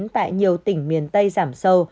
tại nhiều tỉnh miền tây giảm sâu